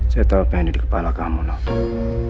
saya tahu apa yang ada di kepala kamu nob